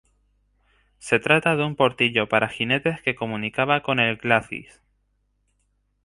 Se trata de un portillo para jinetes que comunicaba con el "glacis".